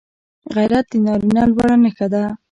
غیرت د نارینه لوړه نښه ده